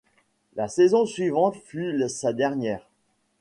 La saison suivante fut sa dernière.